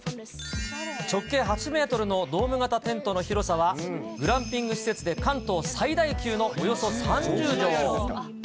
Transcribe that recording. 直径８メートルのドーム型テントの広さは、グランピング施設で関東最大級のおよそ３０畳。